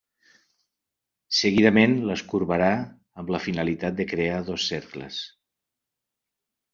Seguidament les corbarà amb la finalitat de crear dos cercles.